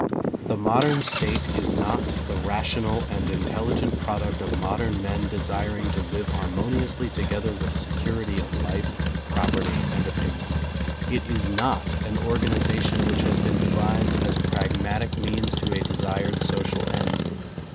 The modern State is not the national and intelli gent product of modern men desiring to live har moniously together with security of life, property and opinion. It is not an organization which has been devised as pragmatic means to a desired social end.